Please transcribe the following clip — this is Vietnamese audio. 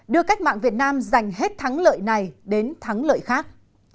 đưa cách mạng việt nam giành hết thắng lợi này đến thắng lợi khác